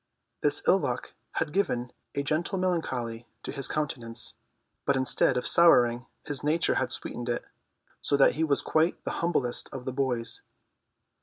This ill luck had given a gentle melancholy to his countenance, but instead of souring his nature had sweetened it, so that he was quite the humblest of the boys.